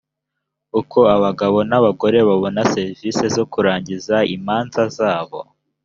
uko abagabo n’abagore babona serivisi zo kurangiza imanza zabo